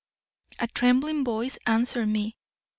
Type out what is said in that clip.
"A trembling voice answered me.